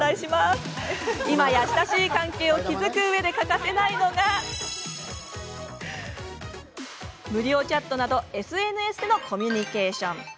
今や、親しい関係を築くうえで欠かせないのが無料チャットなどＳＮＳでのコミュニケーション。